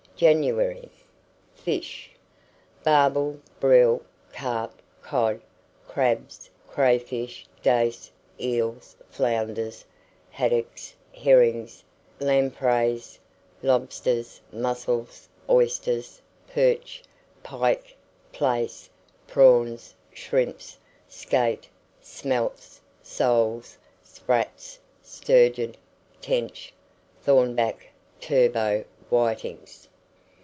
JANUARY. FISH. Barbel, brill, carp, cod, crabs, crayfish, dace, eels, flounders, haddocks, herrings, lampreys, lobsters, mussels, oysters, perch, pike, plaice, prawns, shrimps, skate, smelts, soles, sprats, sturgeon, tench, thornback, turbot, whitings.